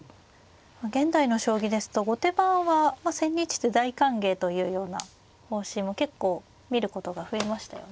現代の将棋ですと後手番は千日手大歓迎というような方針も結構見ることが増えましたよね。